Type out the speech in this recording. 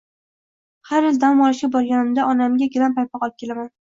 Har yili dam olishga borganimda onamga gilam paypoq olib kelaman.